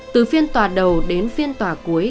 từ phiên tòa đầu đến phiên tòa cuối